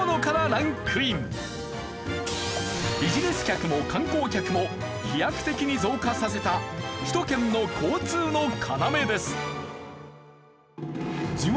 ビジネス客も観光客も飛躍的に増加させた首都圏の交通の要です。